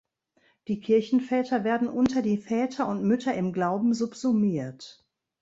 Die Kirchenväter werden unter die Väter und Mütter im Glauben subsumiert.